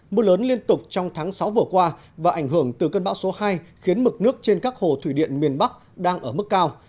mưa lớn liên tục trong tháng sáu vừa qua và ảnh hưởng từ cơn bão số hai khiến mực nước trên các hồ thủy điện miền bắc đang ở mức cao